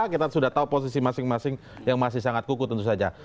kita sudah tahu posisi masing masing yang masih sangat kuku tentu saja